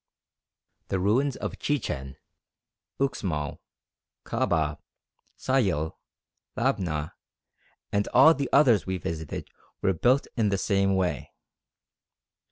The ruins of Chichen, Uxmal, Kabah, Sayil, Labna and all the others we visited were built in the same way.